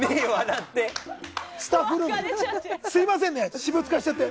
すみませんね、私物化しちゃって。